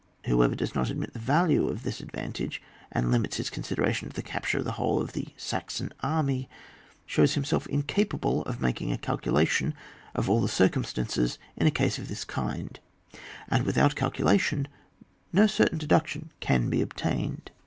Who ever does not admit the value of this advantage, and limits his consideration to the capture of the whole Saxon army, shows himself incapable of making a calculation of all the circumstances in a case of this kind, and without calculation no certain deduction can be obtained.